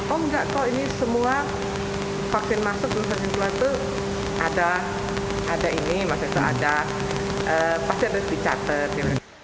oh nggak kok ini semua vaksin masuk vaksin keluar itu ada ini ada pasti ada di catat